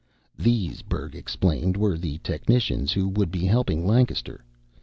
These, Berg explained, were the technicians who would be helping Lancaster.